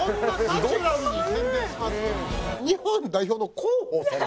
日本代表の広報さん？